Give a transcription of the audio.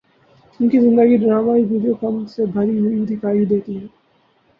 ان کی زندگی ڈرامائی پیچ و خم سے بھری ہوئی دکھائی دیتی ہے۔